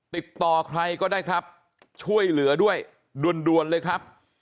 ติดต่อใครก็ได้ครับช่วยเหลือด้วยด่วนเลยครับ